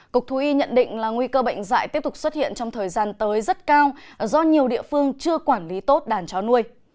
cục thú y nhận định là nguy cơ bệnh dạy tiếp tục xuất hiện trong thời gian tới rất cao do nhiều địa phương chưa quản lý tốt đàn chó nuôi